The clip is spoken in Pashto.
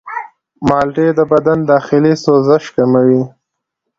مالټې د بدن داخلي سوزش کموي.